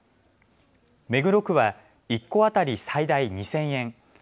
目黒区は１個当たり最大２０００円。